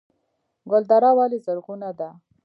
ګلدره ولې زرغونه ده؟